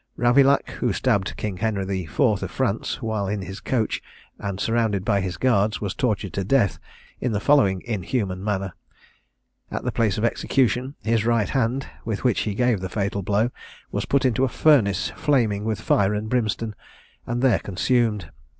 Ravillac, who stabbed King Henry IV. of France, while in his coach, and surrounded by his guards, was tortured to death in the following inhuman manner: At the place of execution, his right hand, with which he gave the fatal blow, was put into a furnace flaming with fire and brimstone, and there consumed.